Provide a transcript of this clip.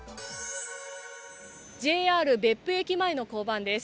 ＪＲ別府駅前の交番です。